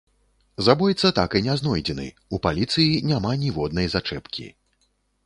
Забойца так і не знойдзены, у паліцыі няма ніводнай зачэпкі.